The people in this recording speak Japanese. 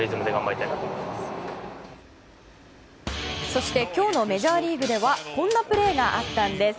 そして今日のメジャーリーグではこんなプレーがあったんです。